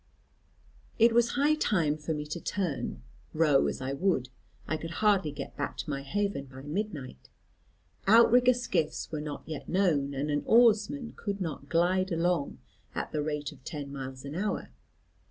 "It was high time for me to turn: row as I would, I could hardly get back to my haven by midnight. Outrigger skiffs were not yet known; and an oarsman could not glide along at the rate of ten miles an hour.